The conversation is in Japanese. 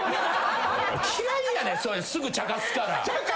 すぐちゃかすから。